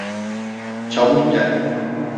Çabuk gel!